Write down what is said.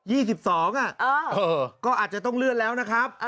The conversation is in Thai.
เออก็อาจจะต้องเลื่อนแล้วนะครับ